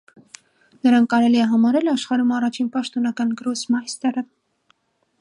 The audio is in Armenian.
Նրան կարելի է համարել աշխարհում առաջին պաշտոնական գրոսմայստերը։